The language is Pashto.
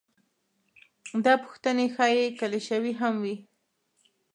دا پوښتنې ښايي کلیشوي هم وي.